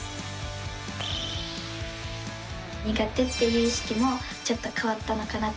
苦手っていう意識もちょっと変わったのかなと。